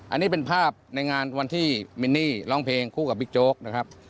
อันนี้เป็นภาพในงานวันที่มินนี่ร้องเพลงคู่กับบิ๊กโจ๊กนะครับ